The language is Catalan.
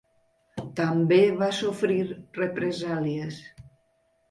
També va sofrir represàlies.